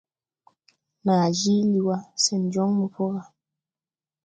Naa jiili wá sen jɔŋ mo po gà.